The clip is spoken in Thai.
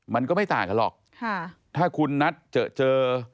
มันก็ไม่ต่างกันหรอกค่ะถ้าคุณนัดเจอเจอ